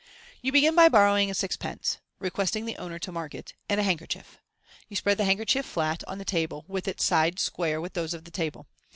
You begin by borrowing a sixpence (requesting the owner to mark it) and a handkerchief. You spread the handkerchief flat on the table, witn its sides square with those of the table.